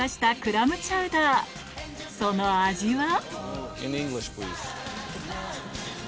その味は？